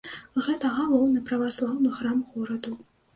Гэта галоўны праваслаўны храм гораду.